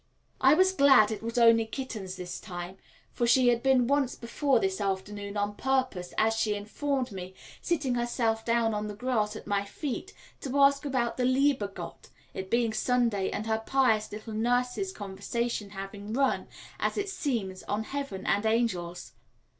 I was glad it was only kittens this time, for she had been once before this afternoon on purpose, as she informed me, sitting herself down on the grass at my feet, to ask about the lieber Gott, it being Sunday and her pious little nurse's conversation having run, as it seems, on heaven and angels.